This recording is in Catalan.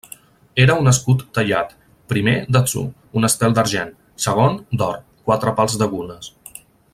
Era un escut tallat: primer, d'atzur, un estel d'argent; segon, d'or, quatre pals de gules.